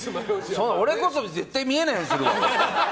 それこそ絶対見えないようにするわ。